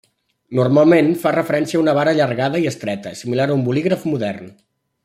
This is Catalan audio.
Normalment fa referència a una vara allargada i estreta, similar a un bolígraf modern.